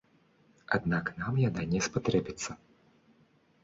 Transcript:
Аднак нам яна не спатрэбіцца.